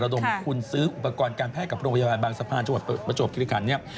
ดมทุนซื้ออุปกรณ์การแพทย์กับโรงพยาบาลบางสะพานจังหวัดประจวบคิริคันเนี่ย